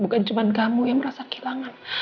bukan cuma kamu yang merasa kehilangan